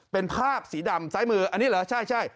เป็นภาพสีดำซ้ายมืออันนี้เหรอใช่